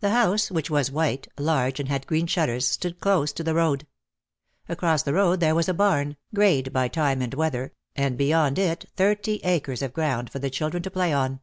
The house, which was white, large, and had green shutters, stood close to the road. Across the road there was a barn, greyed by time and weather, and beyond it thirty acres of ground for the children to play on.